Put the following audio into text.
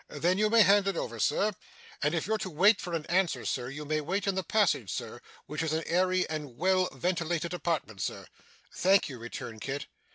'Then you may hand it over, Sir. And if you're to wait for an answer, Sir, you may wait in the passage, Sir, which is an airy and well ventilated apartment, sir.' 'Thank you,' returned Kit.